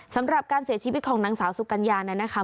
สำหรับการเสียชีวิตของนางสาวสุกัญญานั้นนะคะ